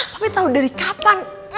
papi tau dari kapan